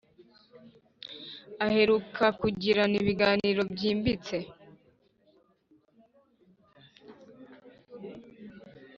aheruka kugirana ibiganirobyimbitse